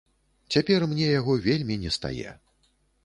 Цяпер мне яго вельмі не стае.